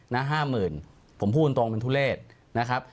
นะ๕๐๐๐๐ผมพูดตรงเป็นทุเรศนะครับ